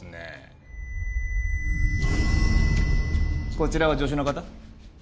こちらは助手の方？